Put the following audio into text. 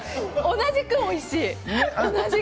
同じく、おいしい。